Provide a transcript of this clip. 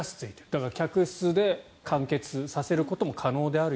だから、客室で完結させることも可能だと。